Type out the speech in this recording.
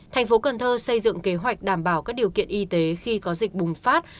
tp cần thơ xây dựng kế hoạch đảm bảo các điều kiện y tế khi có dịch bùng phát